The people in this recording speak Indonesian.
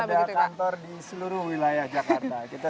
ada kantor di seluruh wilayah jakarta